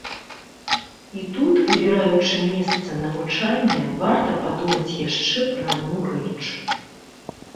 І тут, выбіраючы месца навучання, варта падумаць яшчэ пра адну рэч.